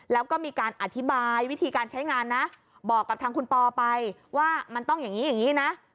แล้วก็มีการอธิบายวิธีการใช้งานนะบอกกับทางคุณปอไปว่ามันต้องอย่างนี้อย่างนี้นะ